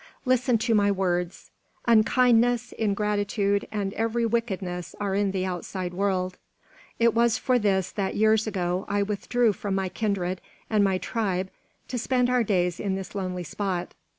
Listen to my words. Unkindness, ingratitude, and every wickedness are in the outside world. It was for this that years ago I withdrew from my kindred and my tribe to spend our days in this lonely spot.